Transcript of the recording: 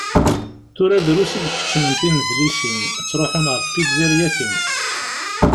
Tura drus i ikeččmen tinedlisin, ttruḥun ɣer tpizziryatin.